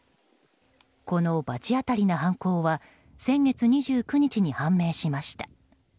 この罰当たりな犯行は先月２９日に判明しました。